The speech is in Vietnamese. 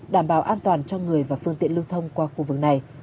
đảm bảo an toàn cho người và phương tiện lưu thông qua khu vực này